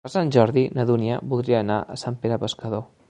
Per Sant Jordi na Dúnia voldria anar a Sant Pere Pescador.